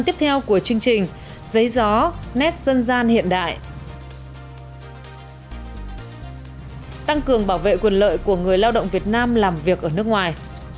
tăng cường bảo vệ quyền lợi của người lao động việt nam làm việc ở nước ngoài